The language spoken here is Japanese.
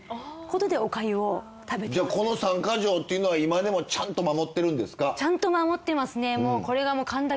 この３か条っていうのは今でもちゃんと守ってるんですか。